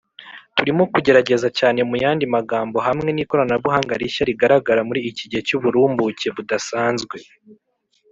turimo kugerageza cyane, muyandi magambo, hamwe n'ikoranabuhanga rishya rigaragara muri iki gihe cy'uburumbuke budasanzwe.